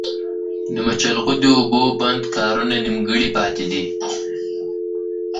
د مچلغو د اوبو بند کارونه نيمګړي پاتې دي